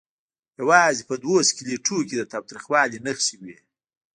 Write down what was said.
یوازې په دوو سکلیټونو کې د تاوتریخوالي نښې وې.